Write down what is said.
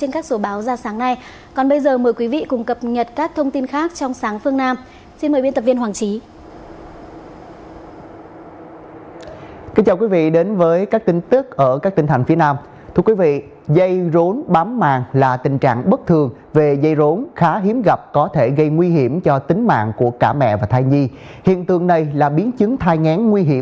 các bạn hãy đăng ký kênh để ủng hộ kênh của chúng mình nhé